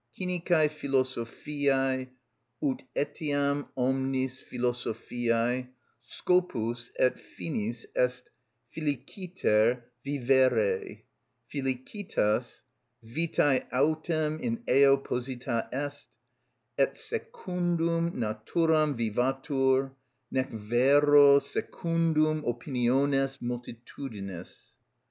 (_Cynicæ philosophiæ ut etiam omnis philosophiæ, scopus et finis est feliciter vivere: felicitas vitæ autem in eo posita est, ut secundum naturam vivatur, nec vero secundum opiniones multitudinis.